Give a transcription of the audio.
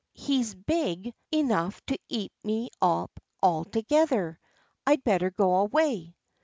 He's big enough to eat me up altogether. I'd better go away."